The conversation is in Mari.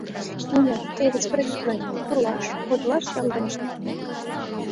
Нина, тый распорядитле: пурлаш, подылаш ямдылышт.